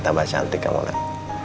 tambah cantik kamu lah